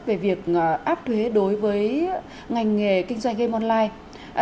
về việc áp thuế đối với ngành nghề kinh doanh game online